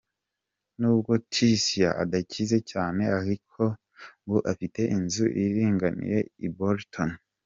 N’ubwo Tsia adakize cyane ariko ngo afite inzu iringaniye i Bolton.